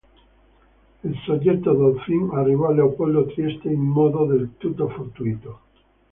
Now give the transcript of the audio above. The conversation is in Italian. Il soggetto del film arrivò a Leopoldo Trieste in modo del tutto fortuito.